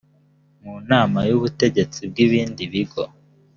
mu nama y ubutegetsi bw ibindi bigo